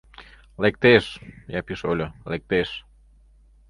— Лектеш, Япи шольо, лектеш...